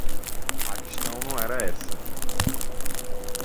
A questão não era essa.